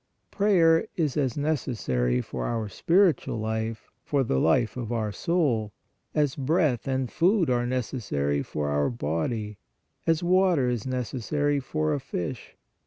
Prayer is as necessary for our spiritual life, for the life of our soul, as breath and food are necessary for our body, as water is neces sary for a fish.